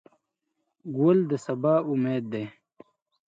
ګل د سبا امید دی.